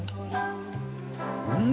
うん！